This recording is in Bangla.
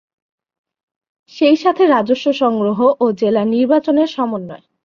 সেইসাথে রাজস্ব সংগ্রহ ও জেলার নির্বাচনের সমন্বয়।